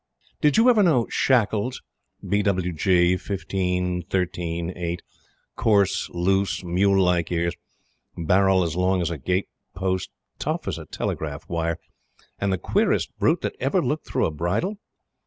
Did you ever know Shackles b. w. g., 15.13.8 coarse, loose, mule like ears barrel as long as a gate post tough as a telegraph wire and the queerest brute that ever looked through a bridle?